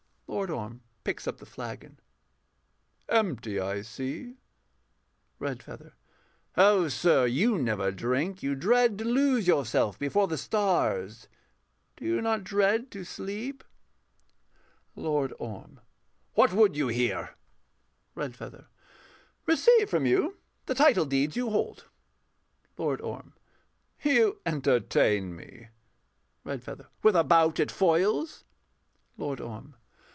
LORD ORM [picks up the flagon]. Empty, I see. REDFEATHER. Oh sir, you never drink. You dread to lose yourself before the stars Do you not dread to sleep? LORD ORM [violently]. What would you here? REDFEATHER. Receive from you the title deeds you hold. LORD ORM. You entertain me. REDFEATHER. With a bout at foils? LORD ORM.